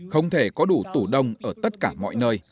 không thể có đủ tủ đông ở tất cả mọi nơi